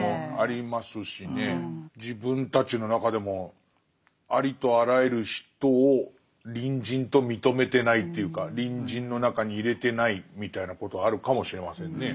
自分たちの中でもありとあらゆる人を隣人と認めてないというか隣人の中に入れてないみたいなことあるかもしれませんね。